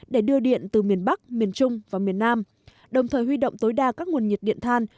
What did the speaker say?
để đưa điện từ miền bắc miền trung và miền nam đồng thời huy động tối đa các nguồn nhiệt điện than